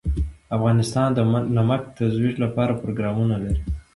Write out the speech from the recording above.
افغانستان د نمک د ترویج لپاره پروګرامونه لري.